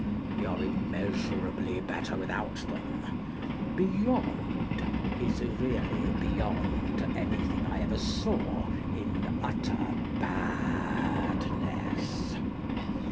We are immeasurably better without them: "Beyond," is really Beyond anything I ever saw, in utter badness.